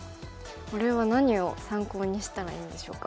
これは何を参考にしたらいいんでしょうか。